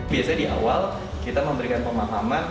biasanya di awal kita memberikan pemahaman